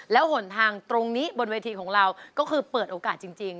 แล้วหนทางตรงนี้บนเวทีของเราก็คือเปิดโอกาสจริง